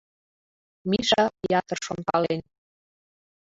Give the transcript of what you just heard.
Миша ятыр шонкален.